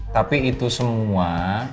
tapi itu semua